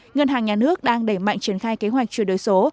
ngân hàng nhà nước đang đẩy mạnh triển khai kế hoạch chuyển đổi số